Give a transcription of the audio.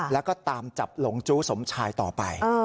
แล้วก็ตามจับหลงจู้สมชายต่อไป